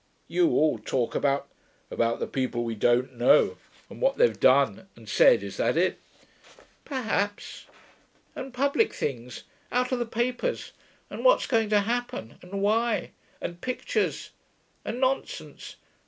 you all talk about....' 'About the people we don't know, and what they've done and said. Is that it?' 'Perhaps. And public things, out of the papers, and what's going to happen, and why, and pictures, and ... nonsense....